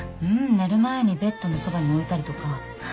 寝る前にベッドのそばに置いたりとか。